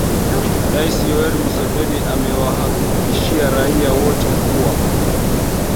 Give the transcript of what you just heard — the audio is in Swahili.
rais yoweri museveni amewahakikishia raia wote kuwa